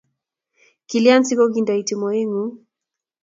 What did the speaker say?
Kilyan siku kikintoitu moet ng'ung'